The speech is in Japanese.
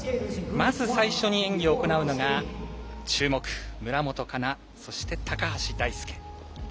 まず最初に演技を行うのが注目、村元哉中そして高橋大輔。